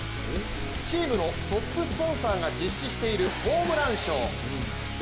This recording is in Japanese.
チームのトップスポンサーが実施している、ホームラン賞。